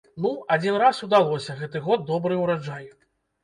Ну, адзін раз удалося, гэты год добры ўраджай.